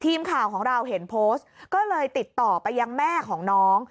ทีมข่าวของเราเห็นโพสต์ก็เลยติดต่อไปยังแม่ของน้อง